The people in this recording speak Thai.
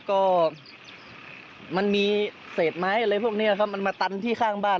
ก็มันมีเศษไม้อะไรพวกนี้ครับมันมาตันที่ข้างบ้าน